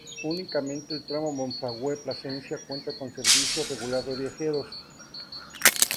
Únicamente el tramo Monfragüe-Plasencia cuenta con servicio regular de viajeros.